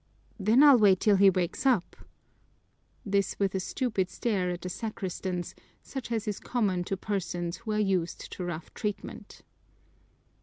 "Then I'll wait till he wakes up." This with a stupid stare at the sacristans, such as is common to persons who are used to rough treatment.